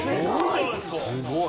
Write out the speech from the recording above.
すごい！